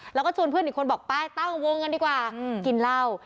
แล้วก็ชวนเพื่อนอีกคนบอกไปตั้งวงกันดีกว่ากินเหล้า